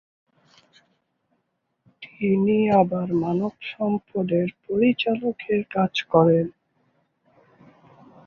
তিনিই আবার মানব সম্পদের পরিচালকের কাজ করেন।